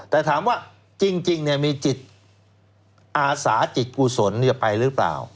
แต่ถามว่าจริงมีจิตอาสาจิตกุศลไปหรือเปล่า